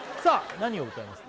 何を歌いますか？